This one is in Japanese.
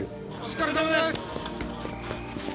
お疲れさまです。